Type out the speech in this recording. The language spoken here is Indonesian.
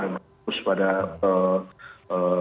terus pada ee